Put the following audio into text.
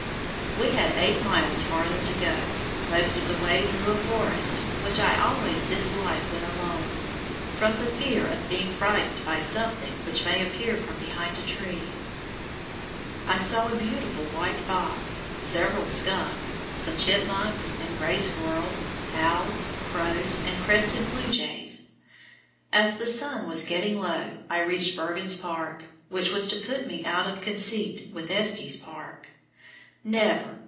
We had eight miles farther to go most of the way through a forest, which I always dislike when alone, from the fear of being frightened by something which may appear from behind a tree. I saw a beautiful white fox, several skunks, some chipmunks and gray squirrels, owls, crows, and crested blue jays. As the sun was getting low I reached Bergens Park, which was to put me out of conceit with Estes Park. Never!